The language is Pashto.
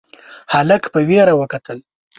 هلک په وېره ورته کتل: